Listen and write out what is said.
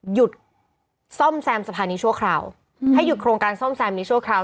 หยุดซ่อมแซมสะพานนี้ชั่วคราวให้หยุดโครงการซ่อมแซมนี้ชั่วคราว